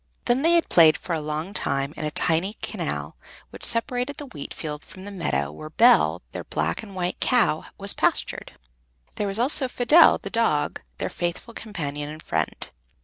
Then they had played for a long time in the tiny canal which separated the wheat field from the meadow, where Bel, their black and white cow, was pastured. There was also Fidel, the dog, their faithful companion and friend.